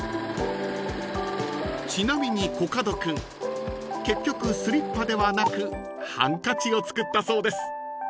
［ちなみにコカド君結局スリッパではなくハンカチを作ったそうです］